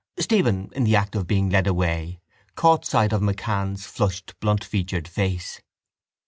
_ Stephen, in the act of being led away, caught sight of MacCann's flushed bluntfeatured face.